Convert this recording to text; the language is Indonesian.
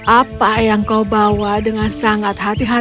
apa yang kau bawa dengan sangat hati hati itu anak muda